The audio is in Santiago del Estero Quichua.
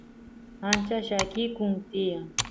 ancha llakikun tiyan